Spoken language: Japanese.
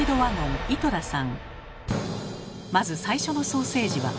まず最初のソーセージは。